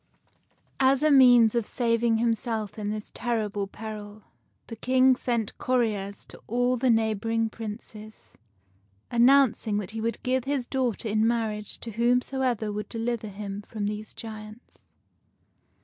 As a means of saving himself in this terrible peril, the King sent couriers to all the neighboring Princes, announcing that he would give his daughter in marriage to whomsoever would deliver him from these giants.